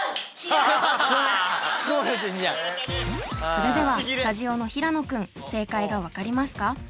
それではスタジオの平野君正解が分かりますか？